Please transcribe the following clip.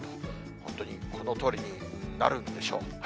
本当にこのとおりになるんでしょう。